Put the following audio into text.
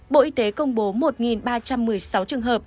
bộ y tế công bố một ba trăm một mươi sáu trường hợp